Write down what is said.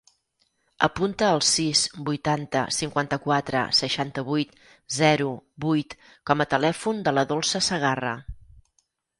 Apunta el sis, vuitanta, cinquanta-quatre, seixanta-vuit, zero, vuit com a telèfon de la Dolça Segarra.